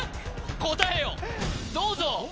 答えをどうぞ！